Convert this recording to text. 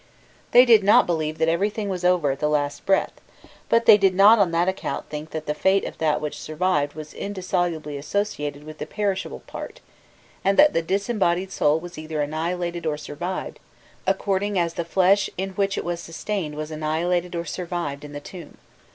They did not believe that everything was over at the last breath, but they did not on that account think that the fate of that which survived was indissolubly associated with the perishable part, and that the disembodied soul was either annihilated or survived, according as the flesh in which it was sustained was annihilated or survived in the tomb.